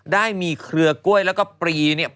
ได้มีเครือกล้วยแล้วก็ปรีเนี่ย